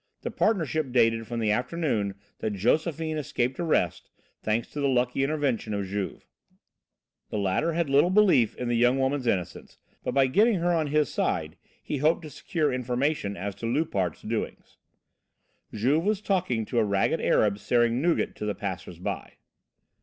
The partnership dated from the afternoon that Josephine escaped arrest, thanks to the lucky intervention of Juve. The latter had little belief in the young woman's innocence, but by getting her on his side, he hoped to secure information as to Loupart's doings. Juve was talking to a ragged Arab selling nougat to the passers by.